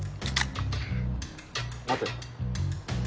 待て。